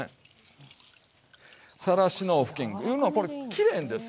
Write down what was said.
さらしの布巾いうのはこれきれいのですよ。